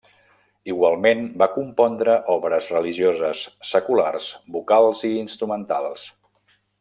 Igualment va compondre obres religioses, seculars, vocals i instrumentals.